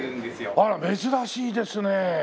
あら珍しいですね。